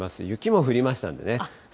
雪も降りましたんでね。